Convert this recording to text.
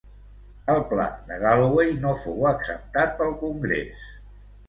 El pla de Galloway no fou acceptat pel congrés.